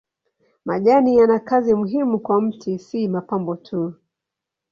Majani yana kazi muhimu kwa mti si mapambo tu.